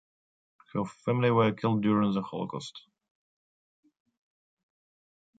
Her family were killed during the Holocaust.